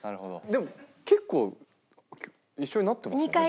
でも結構一緒になってますよね。